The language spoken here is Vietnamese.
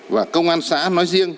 và công an xã nói riêng